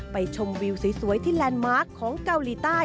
ชมวิวสวยที่แลนด์มาร์คของเกาหลีใต้